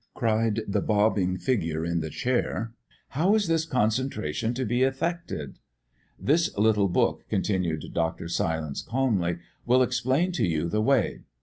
cried the bobbing figure in the chair. "How is this concentration to be effected?" "This little book," continued Dr. Silence calmly, "will explain to you the way."